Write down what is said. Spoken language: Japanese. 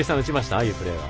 ああいうプレーは。